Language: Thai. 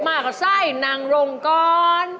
มาก่อนไส้นางรงกร